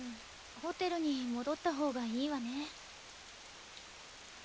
ホテルに戻った方がいいわね。